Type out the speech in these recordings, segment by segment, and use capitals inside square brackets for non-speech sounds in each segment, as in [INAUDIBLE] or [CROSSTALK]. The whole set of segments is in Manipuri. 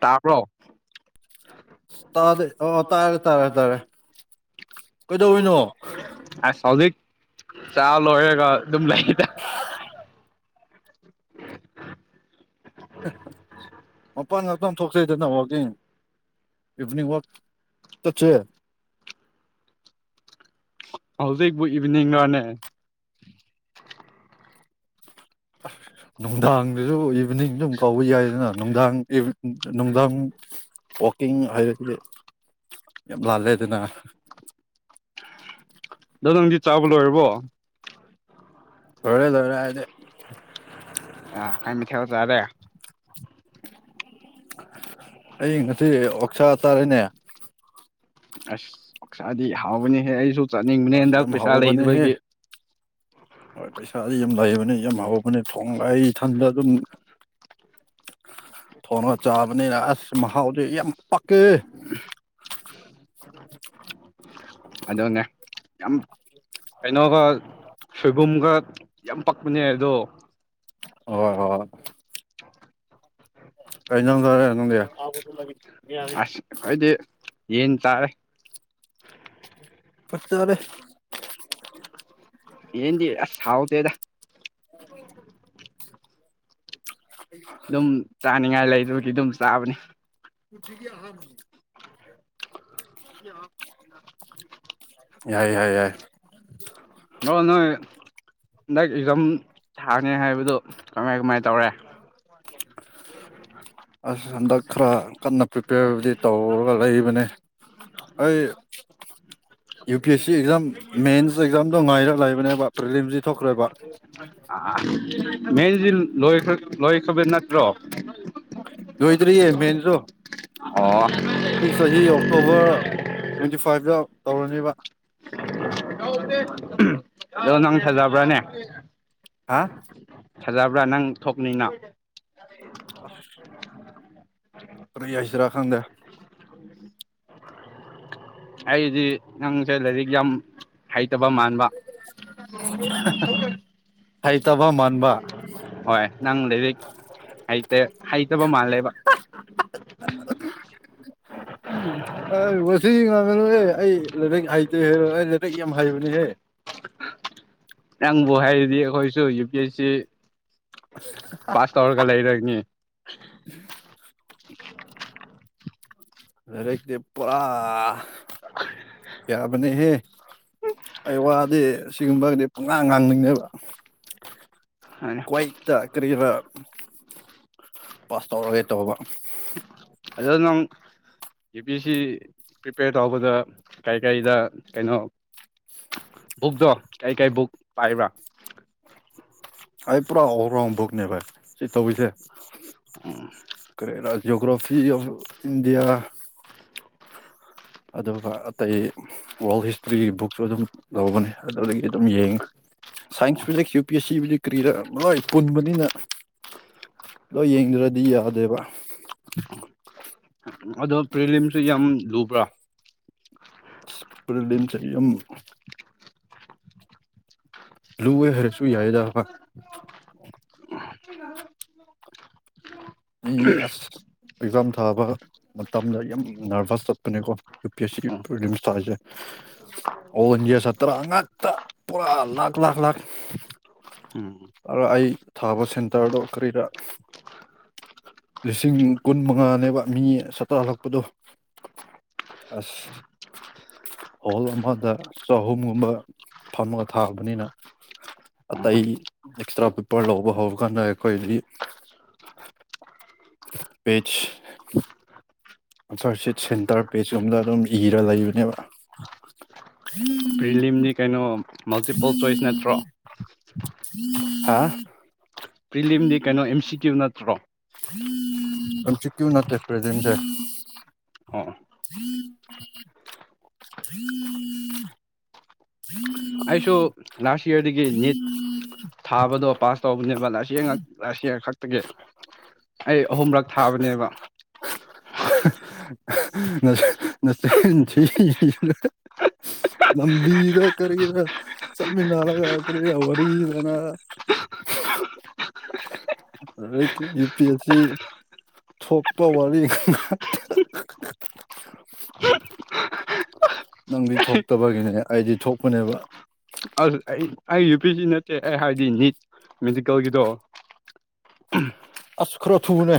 ꯇꯥꯕ꯭ꯔꯣ ꯇꯥꯔꯦ ꯑꯣ ꯇꯥꯔꯦ ꯇꯥꯔꯦ ꯇꯥꯔꯦ ꯀꯩꯗꯧꯔꯤꯅꯣ ꯑ ꯁꯖꯤ ꯆꯌꯦꯒ ꯑꯗꯨꯝ ꯂꯩꯗ ꯃꯄꯟ ꯊꯣꯛꯆꯦꯗꯅ ꯋꯥꯛꯀꯤꯡ ꯏꯚꯤꯅꯤꯡ ꯋꯥꯛ ꯆꯠꯁꯦ ꯍꯧꯖꯤꯛꯕꯨ ꯏꯚꯤꯅꯤꯡꯒꯅꯦ [UNINTELLIGIBLE] ꯅꯨꯡꯗꯥꯡꯗꯨꯁꯨ ꯏꯚꯤꯅꯤꯡꯗ ꯑꯗꯨꯝ ꯀꯥꯎꯕ ꯌꯥꯏꯗꯅ ꯅꯨꯡꯗꯥꯡ ꯅꯨꯡꯗꯥꯡ ꯀꯤꯡ ꯍꯥꯏꯕꯗꯤ ꯌꯥꯝ ꯂꯥꯜꯂꯦꯗꯅ ꯑ ꯅꯪꯗꯤ ꯆꯥꯎꯥꯕ ꯂꯣꯏꯔꯕꯣ ꯍꯔꯦ ꯍꯔꯦ ꯍꯥꯏꯗ ꯑ ꯀꯅ ꯊ ꯆꯗ ꯑꯩ ꯉꯁꯤ ꯑꯣꯛꯁꯥ ꯇꯥꯔꯦꯅꯦ ꯑꯁ ꯄꯥꯛꯁꯥꯗꯤ ꯍꯥꯎꯕꯅꯤꯍꯦ ꯑꯩꯁꯨ ꯆꯥꯅꯤꯡꯕꯅꯦ ꯍꯟꯗꯛ ꯌꯥꯝ ꯄꯩꯁꯥ ꯍꯥꯎꯕꯅꯦꯍꯦ ꯂꯩꯕꯒꯤ ꯍꯣꯏ ꯄꯩꯁꯥꯗꯤ ꯌꯥꯝ ꯂꯩꯕꯅꯤ ꯌꯥꯝ ꯍꯍꯧꯕꯅꯤ ꯊꯣꯡ ꯂ ꯏꯊꯟꯗ ꯑꯗꯨꯝ [UNINTELLIGIBLE] ꯊꯣꯡꯉꯒ ꯆꯥꯕꯅꯤꯅ ꯑꯁ ꯃꯍꯥꯎꯁꯦ ꯌꯥꯝ ꯄꯛꯀꯦ [INAUDIBLE] ꯑꯗꯨꯗꯅꯦꯦ ꯌꯥꯝ ꯀꯩꯅꯣꯒ ꯁꯣꯏꯕꯨꯝꯒ ꯌꯥꯝ ꯄꯛꯄꯅꯦ ꯑꯗꯣ ꯍ ꯍꯣꯏ ꯀꯩꯅꯣꯗꯔꯦꯉꯣꯗ ꯑꯁ ꯍꯥꯏꯗꯤ ꯌꯦꯟ ꯇꯥꯔꯦ ꯐꯠꯇꯔꯦ ꯌꯦꯟꯗꯤ ꯑꯁ ꯁꯥꯎ ꯇꯦꯗ [INAUDIBLE] ꯑꯗꯨꯝ ꯆꯥꯅꯤꯡꯉꯥꯏ ꯂꯩ ꯑꯗꯨꯒꯤ ꯑꯗꯨꯝ ꯆꯥꯕꯅꯤ [INAUDIBLE] ꯌꯥꯏ ꯌꯥꯏ ꯌꯥꯏ ꯍ ꯅ ꯍꯟꯗꯛ ꯏꯝ ꯊꯥꯡꯅꯤ ꯍꯥꯏꯕꯗꯨ ꯀꯃꯥꯏ ꯀꯃꯥꯏ ꯇꯧꯔꯦ ꯍ ꯑꯁ ꯍꯟꯗꯛ ꯈꯔ ꯀꯟꯅ ꯄ꯭ꯔꯤꯄꯦꯌꯔꯕꯨꯗꯤ ꯇꯧꯔꯒ ꯂꯩꯕꯅꯦ ꯑꯩ U P S C exam ꯃꯦꯟꯁ ꯑꯦꯛꯖꯥꯝꯗꯣ ꯉꯥꯏꯔ ꯂꯩꯕꯅꯦꯕ ꯄ꯭ꯔꯤꯂꯤꯝꯁꯤ ꯊꯣꯛꯈ꯭ꯔꯦꯕ ꯑ ꯃꯦꯟꯁꯤ ꯂꯣꯏ ꯂꯣꯏꯈ꯭ꯔꯕ ꯅꯠꯇ꯭ꯔꯣ ꯌꯣꯏꯗꯔꯤꯌꯦ ꯃꯦꯦꯟꯁꯨꯣ ꯑꯣ ꯁꯤ ꯆꯍꯤ ꯑꯣꯛꯇꯣꯚꯔ ꯇ꯭ꯋꯦꯟꯇꯤ ꯐꯥꯏꯚꯇ ꯇꯧꯔꯅꯦꯕ ꯑꯣ ꯅꯪ ꯐꯖꯕ꯭ꯔꯥꯅꯦ ꯍꯥ ꯐꯖꯕ꯭ꯔꯥ ꯅꯪ ꯊꯣꯛꯅꯤꯅ ꯑꯁ ꯑ ꯍꯥꯏꯁꯤꯔꯥ ꯈꯥꯟꯗ ꯑꯩꯗꯤ ꯅꯪꯁꯦ ꯂꯥꯏꯔꯤꯛ ꯌꯥꯝ ꯍꯩꯇꯕ ꯃꯥꯟꯕ ꯑ ꯍꯩꯇꯕ ꯃꯥꯟꯕ ꯍꯣꯏ ꯅꯪ ꯂꯩꯔ ꯍꯥꯏ ꯍꯥꯏ ꯆꯕꯣ ꯃꯥꯜꯂꯦꯕ ꯋꯥꯁꯤ ꯉ ꯃꯨ ꯑꯦ ꯑꯩ ꯂꯥꯏꯔꯤꯛ ꯍꯩꯖꯦ ꯍꯥꯏꯔꯣ ꯑꯩ ꯂꯥꯏꯔꯤꯛ ꯌꯥꯝ ꯍꯩꯕꯅꯦꯍꯦ ꯕꯨ ꯍꯥꯏꯔꯗꯤ ꯑꯩꯈꯣꯏꯁꯨ U P S C pass ꯇꯔꯔꯒ ꯂꯩꯔꯒꯅꯤ ꯑꯔꯦꯗꯤ ꯄꯨꯔꯥ ꯀꯌꯥꯕꯅꯦ ꯍꯦ ꯑꯩ ꯋꯥꯗꯤ ꯁꯤꯒꯨꯝꯕꯒꯤꯗꯤ ꯄꯨꯡꯅꯥꯥꯡ ꯉꯥꯡꯅꯤꯡꯅꯦꯕ ꯀ꯭ꯏꯠꯇ ꯀꯔꯤꯕ ꯑꯗꯨꯪ ꯌꯕꯤꯁꯤ ꯄ꯭ꯔꯤꯄꯦꯌꯔ ꯇꯧꯕꯗ ꯀꯩ ꯀꯔꯤꯗ ꯀꯩꯅꯣ ꯕꯨꯛꯇꯛꯇꯣ ꯀꯩ ꯀꯩ ꯕꯨꯛ ꯄꯥꯏꯕ꯭ꯔꯥ ꯑꯩ ꯄꯨꯔꯥ ꯑꯣꯜ ꯔꯥꯎꯟꯐꯧꯅꯦ ꯚꯥꯏ ꯁꯤ ꯇꯧꯔꯤꯁꯦ ꯎꯝ ꯀꯔꯦꯔꯥ ꯑꯣꯒ꯭ꯔꯣꯐꯤ ꯑꯣꯐ ꯏꯟꯗꯤꯌꯥ ꯑꯗꯨꯒ ꯑꯇꯩ ꯋꯥꯔꯜ ꯍꯤꯁꯇ꯭ꯔꯤꯒꯤ ꯕꯨꯛꯁꯨ ꯑꯗꯨꯝ ꯂꯧꯕꯅꯤ ꯑꯗꯨꯗꯒꯤ ꯑꯗꯨꯝ ꯌꯦꯡꯉꯤ ꯁꯥꯏꯟꯁꯄꯖꯤꯦꯛ ꯌꯨ ꯄꯤ ꯑꯦꯁ ꯁꯤꯕꯨꯖꯤꯛ ꯀꯔꯤꯗ ꯂꯣꯏ ꯄꯨꯟꯕꯅꯤꯅ ꯂꯣꯏ ꯌꯦꯡꯗ꯭ꯔꯗꯤ ꯌꯥꯗꯦꯕ ꯄ꯭ꯔꯦꯝꯁꯤ ꯌꯥꯝ ꯂ ꯄꯨꯔꯂꯤꯂꯦꯝꯁꯨꯝ ꯂꯨꯋ ꯍꯔꯁꯨ ꯌꯥꯏꯗ ꯏ ꯑꯁ ꯑꯦꯖꯝ ꯊꯥꯕ ꯃꯇꯝꯗ ꯌꯥꯝ ꯅꯔꯚꯁ ꯆꯠꯄꯅꯦꯀꯣ ꯌꯨ ꯄꯤ ꯑꯦꯁ ꯁꯤꯒꯤ ꯎꯝ ꯄ꯭ꯔꯤꯂꯤꯝꯁ ꯊꯥꯔꯤꯁꯦ ꯟꯁꯦ ꯁꯇꯔ ꯉꯥꯛꯇ ꯄꯨꯔꯥ ꯂꯥꯥꯛ ꯂꯥꯥꯛ ꯂꯥꯥꯛ ꯑ ꯑꯩ ꯊꯥꯕ ꯁꯦꯟꯇꯔꯗꯣ ꯀꯔꯤꯗ ꯂꯤꯁꯤꯡ ꯀꯨꯟ ꯃꯉꯥꯅꯦꯕ ꯃꯤ ꯆꯇꯥꯜꯂꯛꯄꯗꯣ ꯑꯁ ꯍꯣꯜ ꯑꯃꯗ ꯆꯍꯨꯝꯒꯨꯝꯕ ꯐꯝꯃꯒ ꯊꯥꯕꯅꯤꯅ ꯎꯝ ꯑꯇꯩ ꯑꯦꯛꯁꯇ꯭ꯔꯥ ꯄꯦꯄꯔ ꯂꯧꯕ ꯍꯧꯔꯀꯥꯟꯗ ꯑꯩꯈꯣꯏꯗꯤ ꯄꯦꯖ ꯑꯟꯁꯥꯔꯁꯤꯠ ꯁꯦꯟꯇꯔ ꯄꯦꯖꯀꯨꯝꯕꯗ ꯑꯗꯨꯝ ꯏꯔ ꯂꯩꯕꯅꯦꯕ ꯄ꯭ꯔꯤꯂꯤꯝꯗꯤ ꯀꯩꯅꯣ ꯃꯜꯇꯤꯄꯜ ꯆꯣꯏꯁ ꯅꯠꯇ꯭ꯔꯣ ꯍꯥ ꯄ꯭ꯔꯤꯂꯤꯝꯗꯤ ꯀꯩꯅꯣ ꯑꯦꯝ ꯁꯤ ꯀ꯭ꯌꯨ ꯅꯠꯇ꯭ꯔꯣ ꯑ ꯆ ꯀꯨ ꯅꯠꯇ ꯄꯦꯖꯦꯟꯦ ꯎꯝ ꯑꯣ ꯑꯁꯣ ꯂꯥꯁ ꯌꯦꯔꯗꯤꯗꯒꯤ ꯅꯅꯤꯠ ꯊꯥꯕꯗꯣ ꯄꯥꯁ ꯇꯧꯕꯅꯦꯕ ꯂꯁꯤ ꯂꯁꯤꯈꯛꯇꯒꯤ ꯑꯩ ꯑꯍꯨꯝꯔꯛ ꯊꯥꯕꯅꯦꯕ ꯅ ꯂꯝꯝꯕꯤ ꯖ ꯀꯔ ꯆꯠꯃꯤꯅꯥ ꯀ ꯋꯥꯔꯤ ꯋꯥꯔꯤ ꯂꯅ ꯌꯨ ꯄꯤ ꯑꯦꯁ ꯁꯤ ꯊꯄꯛꯇ ꯋꯥꯔꯤ ꯅꯪꯗꯤ ꯊꯣꯛꯇꯕꯒꯤꯅꯦ ꯑꯩꯗꯤ ꯊꯣꯛꯄꯅꯦꯕ ꯑꯁ ꯑꯩ ꯑꯩ ꯌꯨ ꯄꯤ ꯁꯤ ꯅꯠꯇꯦ ꯑꯩ ꯍꯥꯏꯗꯤ ꯅꯤꯠ ꯃꯦꯗꯤꯀꯦꯜꯒꯤꯗꯣ ꯑꯁ ꯈꯔꯣ ꯊꯨꯅꯦ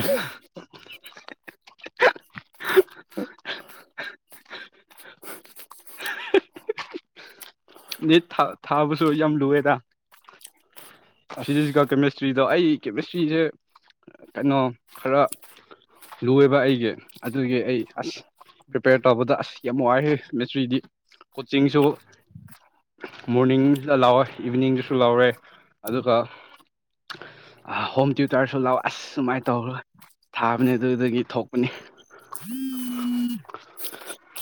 ꯍ ꯅ ꯊ ꯊꯥꯕꯁꯨ ꯌꯥꯝ ꯂꯨꯋꯦ ꯊꯥ ꯐꯤꯖꯤꯛꯁꯀ ꯀꯦꯃꯤꯁꯇ꯭ꯔꯤꯗ ꯑꯩ ꯀꯦꯃꯤꯁꯇ꯭ꯔꯤꯁꯦ ꯀꯩꯅꯣ ꯈꯔ ꯂꯣꯏꯕ ꯑꯩꯒꯤ ꯑꯗꯨꯒꯤ ꯑꯩ ꯑꯁ ꯄ꯭ꯔꯤꯄꯦꯌꯔ ꯇꯧꯕꯗ ꯑꯁ ꯌꯥꯝ ꯋꯥꯔꯦ ꯃꯦꯁꯇ꯭ꯔꯤꯗꯤ ꯀꯣꯆꯤꯡꯁꯨ ꯃꯣꯔꯅꯤꯡꯗ ꯂꯥꯎꯋꯦ ꯏꯚꯤꯅꯤꯡꯗꯨꯁꯨ ꯂꯥꯎꯔꯦ ꯑꯗꯨꯒ ꯑ ꯍꯣꯝ ꯇ꯭ꯌꯨꯇꯔꯁꯨ ꯂꯥꯛꯑꯣ ꯑꯁ ꯁꯨꯃꯥꯏꯅ ꯇꯧꯈ꯭ꯔ ꯊꯥꯕꯅꯦ ꯑꯗꯨꯗꯒꯤ ꯊꯣꯛꯄꯅꯦ ꯎꯝ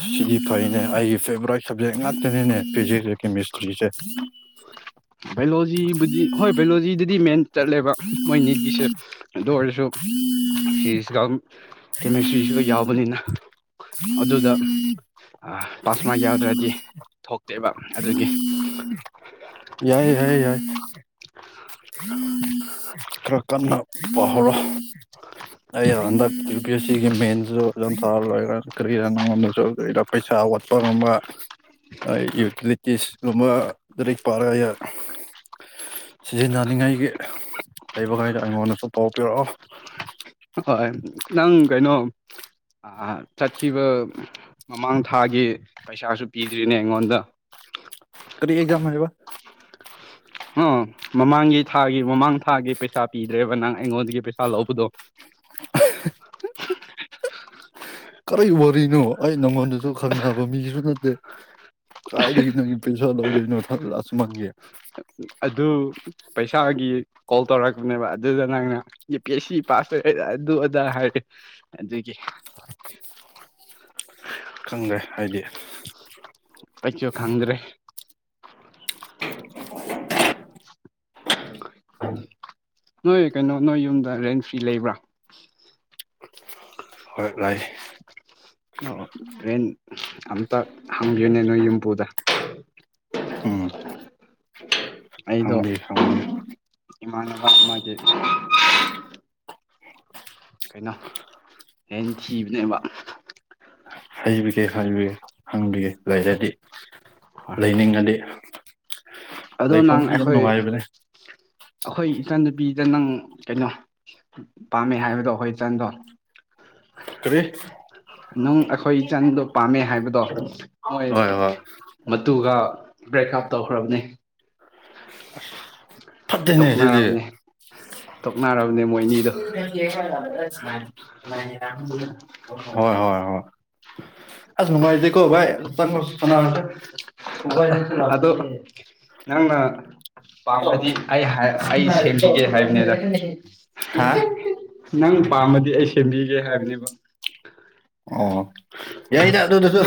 ꯁꯤꯗꯤ ꯐꯩꯅꯦ ꯑꯩꯒꯤ ꯐꯦꯚꯣꯔꯥꯏꯠ ꯁꯕꯖꯦꯛ ꯉꯥꯛꯇꯅꯤꯅꯦ ꯐꯤꯖꯤꯛꯁ ꯀꯦꯃꯤꯁꯇ꯭ꯔꯤꯁꯦ ꯎꯝ ꯕꯥꯏꯑꯣꯂꯣꯖꯤꯕꯨꯗꯤ ꯍꯣꯏ ꯕꯥꯏꯑꯣꯂꯣꯖꯤꯗꯗꯤ ꯃꯦꯟ ꯆꯠꯂꯦꯕ ꯃꯣꯏꯅꯤꯠꯒꯤꯁꯦ ꯑꯗꯨ ꯑꯣꯏꯔꯁꯨ ꯐꯤꯖꯤꯛꯁꯀ ꯀꯦꯃꯤꯁꯇ꯭ꯔꯤꯁꯨꯒ ꯌꯥꯎꯕꯅꯤꯅ ꯑꯗꯨꯗ ꯄꯥꯁꯃꯥ ꯌꯥꯎꯗ꯭ꯔꯗꯤ ꯊꯣꯛꯇꯦꯕ ꯑꯗꯨꯒꯤ ꯌꯥꯏ ꯌꯥꯏꯌꯦ ꯌꯥꯏ ꯈꯔꯛ ꯀꯅ ꯄꯍꯂ ꯑꯟꯗ ꯁꯤꯒꯤ ꯃꯟ ꯀ ꯄꯩꯁꯥ ꯋꯥꯠꯄꯒꯨꯝꯕ ꯌꯨꯇꯤꯂꯤꯇꯤꯁꯀꯨꯝꯕ ꯑꯗꯨꯗꯒꯤ ꯄꯥꯔꯒ ꯁꯤꯖꯤꯟꯅꯅꯤꯡꯉꯥꯏꯒꯤ ꯂꯩꯕꯈꯩꯗ ꯑꯩꯉꯣꯟꯗꯁꯨ ꯄꯥꯎ ꯄꯤꯔꯛꯑꯣ ꯍꯣꯏ ꯅꯪ ꯀꯩꯅꯣ ꯆꯠꯈꯤꯕ ꯃꯃꯥꯡ ꯊꯥꯒꯤ ꯄꯩꯁꯥꯁꯨ ꯄꯤꯗ꯭ꯔꯤꯅꯦ ꯑꯩꯉꯣꯟꯗ ꯇꯔꯤ ꯑꯦꯖꯥꯝ ꯍꯥꯏꯕ ꯑ ꯃꯃꯥꯡꯒꯤ ꯊꯥꯒꯤ ꯃꯃꯥꯡ ꯊꯥꯒꯤ ꯄꯩꯁꯥ ꯄꯤꯗ꯭ꯔꯦꯕ ꯅꯪ ꯑꯩꯉꯣꯟꯗꯒꯤ ꯄꯩꯁꯥ ꯂꯧꯕꯗꯨ ꯀꯔꯤ ꯋꯥꯔꯤꯅꯣ ꯑꯩ ꯅꯪꯉꯣꯟꯗꯁꯨ ꯈꯪꯅꯕ ꯃꯤꯁꯨ ꯅꯠꯇꯦ ꯀꯥꯏꯗꯣꯏꯗꯒꯤ ꯅꯪꯒꯤ ꯄꯩꯁꯥ ꯂꯧꯗꯣꯏꯅꯣ ꯊꯥ ꯂꯥꯛꯑꯁꯨ ꯃꯥꯡꯒꯦ ꯑꯗꯨ ꯄꯩꯁꯥꯒꯤ ꯀꯣꯜ ꯇꯧꯔꯛꯄꯅꯦꯕ ꯑꯗꯨꯗ ꯅꯪꯅ U P S C pass ꯇꯧꯔꯦ ꯑꯗꯨ ꯑꯗꯥ ꯍꯥꯏꯔ ꯑꯗꯨꯒꯤ ꯈꯪꯗ꯭ꯔꯦ ꯍꯥꯏꯗꯤ ꯑꯩꯁꯨ ꯈꯪꯗ꯭ꯔꯦ ꯅꯣꯏ ꯀꯩꯅꯣ ꯅꯣꯏ ꯌꯨꯝꯗꯣ ꯔꯦꯟꯠ ꯂꯩꯕ꯭ꯔꯥ ꯍꯣꯏ ꯂꯩꯏ ꯑꯣ ꯔꯦꯟꯠ ꯑꯝꯇ ꯍꯪꯕꯤꯌꯨꯅꯦ ꯅꯣꯏ ꯌꯨꯝꯕꯨꯗ ꯎꯝ ꯑꯩꯗꯣ ꯈꯪꯕꯤ ꯈꯪꯕꯤ ꯏꯃꯥꯟꯅꯕ ꯑꯃꯒꯤ ꯀꯩꯅꯣ ꯔꯦꯟꯠ ꯊꯤꯕꯅꯦꯕ ꯍꯩꯕꯤꯒꯦ ꯍꯥꯏꯕꯒꯦ ꯍꯪꯕꯤꯒꯦ ꯂꯩꯔꯗꯤ ꯍꯣꯏ ꯂꯩꯅꯤꯡꯉꯗꯤ ꯑꯗꯣ ꯅꯪ ꯂꯩꯐꯝꯗꯤ ꯌꯥꯝ ꯑꯈꯣꯏ ꯅꯨꯡꯉꯥꯏꯕꯅꯦ ꯑꯈꯣꯏ ꯏꯆꯟ ꯅꯨꯨꯄꯤꯗ ꯅꯪ ꯀꯩꯅꯣ ꯄꯥꯝꯃꯦ ꯍꯥꯏꯕꯗꯣ ꯑꯩꯈꯣꯏ ꯏꯆꯟꯗꯣ ꯀꯔꯤ ꯅꯪ ꯑꯈꯣꯏ ꯏꯆꯟꯗ ꯄꯥꯝꯃꯦ ꯍꯥꯏꯕꯗꯣ ꯃꯣꯏ ꯍꯣꯏ ꯍꯣꯏ ꯃꯇꯨꯒ ꯕ꯭ꯔꯦꯛꯑꯞ ꯇꯧꯈ꯭ꯔꯕꯅꯤ ꯑꯁ ꯇꯣꯛꯅꯔꯕꯅꯦ ꯇꯣꯛꯅꯔꯕ ꯈꯪꯗꯦ ꯃꯣꯏꯅꯤꯗꯨ ꯍꯣꯏ ꯍꯣꯏ ꯍꯣꯏ ꯑꯁ ꯅꯨꯡꯉꯥꯏꯇꯦꯀꯣ ꯚꯥꯏ ꯆꯪꯉꯣ ꯁꯥꯟꯅꯔꯁꯦ [INAUDIBLE] [UNINTELLIGIBLE] ꯑꯗꯨ ꯅꯪꯅ ꯄꯥꯝꯃꯒꯗꯤ ꯑꯩ ꯑꯩ ꯁꯦꯝꯕꯤꯒꯦ ꯍꯥꯏꯕꯅꯤꯗ ꯍꯥ ꯅꯪ ꯄꯥꯝꯃꯗꯤ ꯑꯩ ꯁꯦꯝꯕꯤꯒꯦ ꯍꯥꯏꯕꯅꯦꯕ ꯑꯣ ꯌꯥꯏꯗ ꯑꯗꯨꯗꯨꯁꯨ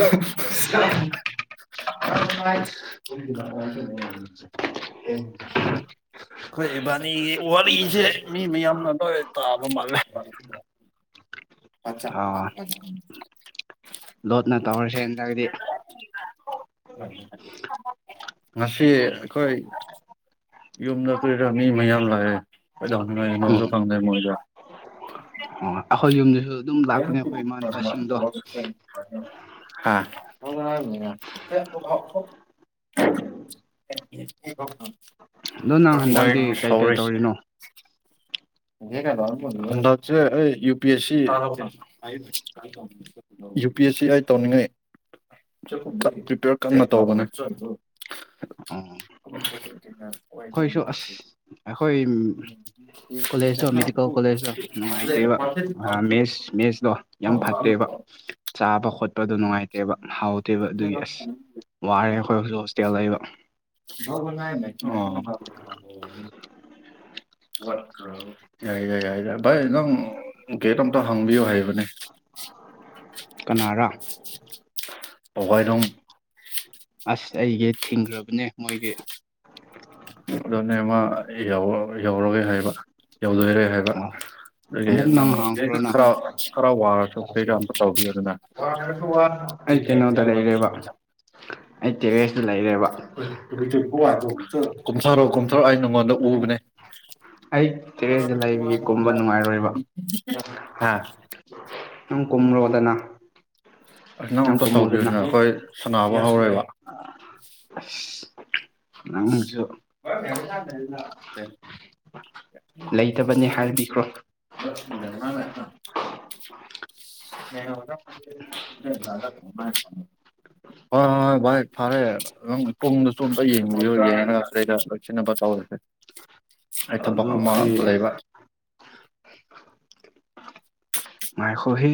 [UNINTELLIGIBLE] ꯑꯈꯣꯏ ꯏꯕꯥꯅꯤꯒꯤ ꯋꯥꯔꯤꯁꯦ ꯃꯤ ꯃꯌꯥꯝꯅ ꯂꯣꯏ ꯇꯥꯕ ꯃꯥꯜꯂꯦ ꯑꯆꯥ ꯑꯥ ꯅ ꯇꯧꯔꯁꯦ ꯅꯠꯇ꯭ꯔꯒꯗꯤ [UNINTELLIGIBLE] ꯉꯁꯤ ꯑꯈꯣꯏ ꯌꯨꯝꯗ ꯀꯨꯏꯔ ꯃꯤ ꯃꯌꯥ ꯂꯥꯛꯑꯦ ꯀꯩꯗꯧꯅ ꯅꯣꯁꯨ ꯎꯝ ꯐꯪꯗꯩ ꯃꯣꯏꯗ ꯑꯣ ꯑꯩꯈꯣꯏ ꯌꯨꯝꯗꯁꯨ ꯑꯗꯨꯝ ꯂꯥꯛꯄꯅꯦ ꯑꯩꯈꯣꯏ ꯏꯃꯥꯟꯅꯕꯁꯤꯡꯗꯣ [UNINTELLIGIBLE] ꯍꯥ [UNINTELLIGIBLE] ꯑꯗꯣ ꯅꯪ ꯍꯟꯗꯛꯇꯤ ꯃꯣꯏ ꯀꯩ ꯀꯩ ꯁꯧꯔꯦ ꯇꯧꯔꯤꯅꯣ [UNINTELLIGIBLE] ꯌꯨ ꯄ S C U P S C ꯑꯩ ꯇꯧꯅꯤꯡꯉꯤ ꯄ꯭ꯔꯤꯄꯌꯔ ꯀꯟꯅ ꯇꯧꯕꯅꯦ ꯑꯣ [INAUDIBLE] ꯑꯩꯈꯣꯏꯁꯨ ꯑꯁ ꯋꯥꯏꯗꯧꯃꯤꯟꯅꯁꯤ ꯑꯩꯈꯣꯏ ꯀꯣꯂꯦꯖꯇꯣ [UNINTELLIGIBLE] ꯄꯥꯁꯦꯟꯇ [UNINTELLIGIBLE] ꯑ ꯃꯦꯁ ꯃꯦꯁꯇꯣ ꯌꯥꯝ ꯐꯠꯇꯦꯕ ꯆꯥꯕ ꯈꯣꯠꯄꯗꯣ ꯅꯨꯡꯉꯥꯏ ꯇꯦꯕ ꯍꯥꯎꯇꯦꯕ ꯑꯗꯨꯒꯤ ꯑꯁ ꯋꯥꯔꯦ ꯑꯩꯈꯣꯏ ꯍꯧꯖꯤꯛ ꯍꯣꯁꯇꯦꯜ ꯂꯩꯕ ꯑꯣ [UNINTELLIGIBLE] ꯏꯌꯥ ꯌꯥꯏꯗ ꯚꯥꯏ ꯅꯪ ꯒꯦꯠ ꯑꯝꯇ ꯍꯥꯡꯕꯤꯌꯨ ꯍꯩꯕꯅꯦ ꯀꯅꯥꯔꯥ ꯄꯧꯒꯥꯏꯗꯣꯡ ꯑꯁ ꯑꯩꯒꯤ ꯊꯤꯡꯈ꯭ꯔꯕꯅꯦ ꯃꯣꯏꯒꯤ ꯑꯗꯨꯅꯦꯃ ꯌꯧꯔꯒꯦ ꯍꯥꯏꯕ ꯌꯧꯗꯣꯏꯔꯦ ꯍꯥꯏꯕ ꯑꯣ ꯑꯃꯨꯛ ꯅꯪ ꯍꯥꯡꯈ꯭ꯔꯣ ꯅꯪ ꯈꯔ ꯈꯔ ꯋꯥꯔꯁꯨ ꯀꯩꯒ ꯑꯝꯇ ꯇꯧꯕꯤ ꯑꯗꯨꯅ ꯋꯥ ꯋꯥ ꯑꯩ ꯇꯤꯟ ꯀ ꯍꯖ ꯀꯩꯅꯣꯗ ꯋꯥꯖ ꯂꯩꯔꯦꯕ ꯑꯩ ꯇꯦꯔꯦꯁꯇ ꯂꯩꯔꯦꯕ [UNINTELLIGIBLE] ꯀꯨꯝꯊꯥꯔꯣ ꯀꯨꯝꯊꯔꯛꯑꯣ ꯑꯩ ꯅꯪꯉꯣꯟꯗ ꯎꯕꯅꯦ ꯑꯩ ꯇꯦꯔꯦꯁꯇ ꯂꯩꯕꯒꯤ ꯀꯨꯝꯕ ꯅꯨꯡꯉꯥꯏꯔꯣꯏꯕ ꯍꯥꯥ ꯅꯪ ꯀꯣꯃ꯭ꯔꯣꯕꯗꯅ ꯑꯁ ꯅꯪ ꯑꯝꯇ ꯇꯧꯕꯤꯌꯨꯅꯦ ꯑꯩꯈꯣꯏ ꯁꯅꯥꯕꯨ ꯍꯧꯔꯣꯏꯦꯕ ꯅꯪꯁꯨ [UNINTELLIGIBLE] ꯂꯩꯇꯕꯅꯤ ꯍꯥꯏꯕꯤꯈ꯭ꯔꯣ [UNINTELLIGIBLE] [UNINTELLIGIBLE] [UNINTELLIGIBLE] ꯍ‌ꯣꯏ ꯐꯔꯦ ꯅꯪ ꯄꯨꯡꯗ ꯆꯣꯝꯕ ꯌꯦꯡꯕꯤꯣ ꯌꯦꯡꯅꯒ ꯑꯩꯗ ꯂꯣꯏꯁꯤꯟꯅꯕ ꯇꯧꯔꯁꯦ ꯑꯩ ꯊꯕꯛ ꯑꯗꯨ ꯃꯉꯇ ꯑꯩ ꯂꯩꯕ ꯃꯥꯏꯈꯣ ꯍ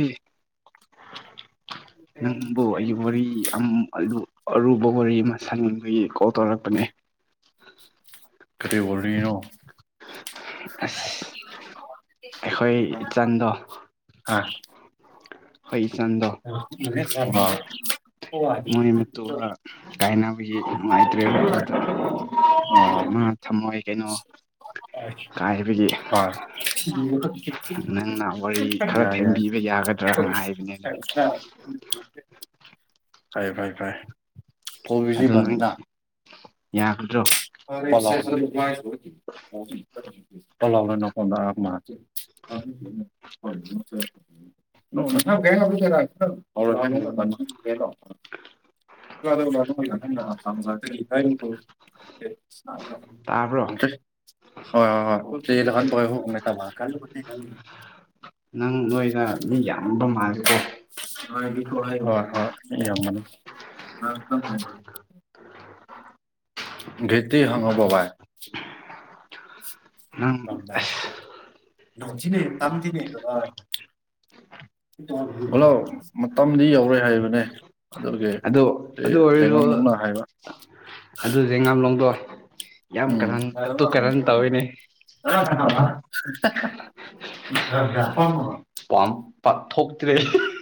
ꯅ ꯑꯩ ꯋꯥꯔꯤ ꯕꯣꯔꯤ ꯑꯃ ꯁꯪꯕꯒꯤ ꯀꯣꯜ ꯇꯧꯔꯛꯄꯅꯦ ꯀꯗ ꯑꯣꯏꯣꯔꯅꯤꯅꯣ ꯑꯁ ꯑꯩꯈꯣꯏ ꯏꯆꯟꯗꯣ ꯑꯥ ꯑꯩꯈꯣꯏ ꯏꯆꯟꯗꯣ [UNINTELLIGIBLE] ꯃꯣꯏꯣꯏꯃꯦꯠꯇꯒ ꯀꯥꯏꯅꯕꯅꯕꯒꯤ ꯅꯨꯡꯉꯥꯏꯇ꯭ꯔꯦ ꯑꯗꯨꯗ ꯃꯥ ꯊꯝꯃꯣꯏ ꯀꯩꯅꯣ ꯀꯥꯏꯕꯒꯤ ꯍꯣꯏ ꯅꯪꯅ ꯋꯥꯔꯤ ꯈꯔ ꯌꯥꯏ ꯌꯥꯏ ꯊꯦꯝꯕꯤꯕ ꯌꯥꯒꯗ꯭ꯔꯅ ꯍꯥꯏꯕꯅꯤꯗ ꯐꯔꯦ ꯐꯥꯏꯦ ꯐꯔꯦ ꯀꯣꯕꯤꯁꯤ ꯅ ꯌꯥ ꯈꯠꯇ꯭ꯔꯣ ꯄꯂꯥꯎꯅ ꯅꯄꯥꯎꯗꯃ [UNINTELLIGIBLE] [UNINTELLIGIBLE] [UNINTELLIGIBLE] [UNINTELLIGIBLE] ꯇꯥꯕ꯭ꯔꯣ ꯍꯣꯏ ꯍꯣꯏ ꯍꯣꯏ [UNINTELLIGIBLE] ꯅꯪ ꯅꯣꯏꯗ ꯃꯤ ꯌꯥꯝꯕ ꯃꯥꯜꯂꯦꯀꯣ ꯍ ꯍ ꯍ ꯌꯥꯝ ꯃꯅꯤ ꯍꯧꯖꯤꯛꯇꯤ ꯍꯪꯉꯕ‌ꯣ ꯕꯥꯏ ꯅꯪ [UNINTELLIGIBLE] ꯍꯂꯣ ꯃꯇꯝꯗꯤ ꯌꯧꯔꯦ ꯍꯥꯏꯕꯅꯦ ꯑꯗꯨꯒꯤ ꯑꯗꯨ ꯑꯗꯨ ꯑꯣꯏꯔꯁꯨ ꯍꯌ‌ꯦꯡꯉꯝ ꯅꯧꯅ ꯍꯥꯏꯕ ꯑꯗꯨ ꯖꯦꯡꯒꯝꯂꯣꯡꯗꯣ ꯌꯥꯝ ꯀꯔꯟ ꯀꯇꯨ ꯀꯔꯟ ꯇꯧꯋꯤꯅꯦ ꯎꯝ ꯄꯥꯝ ꯄꯥꯛꯊꯣꯛꯇ꯭ꯔꯦ [UNINTELLIGIBLE]